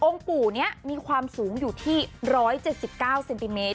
ปู่นี้มีความสูงอยู่ที่๑๗๙เซนติเมตร